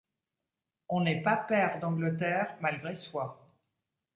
On n’est pas pair d’Angleterre malgré soi.